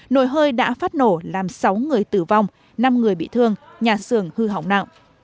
nồi hơi đã phát nổ làm sáu người tử vong năm người bị thương nhà xưởng hư hỏng nặng